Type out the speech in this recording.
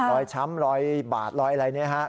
ร้อยช้ำร้อยบาทร้อยอะไรนะครับ